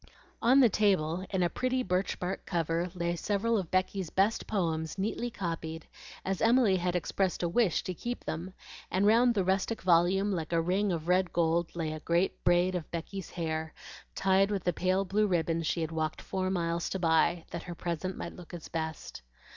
On the table, in a pretty birch bark cover, lay several of Becky's best poems neatly copied, as Emily had expressed a wish to keep them; and round the rustic volume, like a ring of red gold, lay a great braid of Becky's hair, tied with the pale blue ribbon she had walked four miles to buy, that her present might look its best.